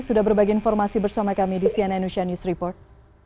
sudah berbagi informasi bersama kami di cnn news report